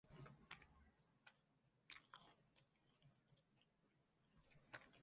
日本陆上自卫队在此设有上富良野基地。